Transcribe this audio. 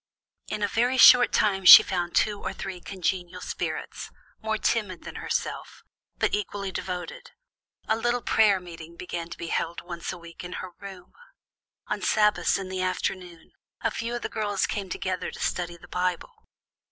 "In a very short time she found two or three congenial spirits, more timid than herself, but equally devoted. A little prayer meeting began to be held once a week in her room. On Sabbaths in the afternoon, a few of the girls came together to study the Bible.